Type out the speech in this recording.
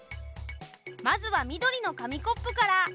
まずはみどりのかみコップから。